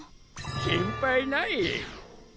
心配ない。